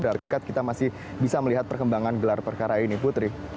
berkat kita masih bisa melihat perkembangan gelar perkara ini putri